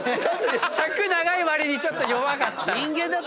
尺長いわりにちょっと弱かった。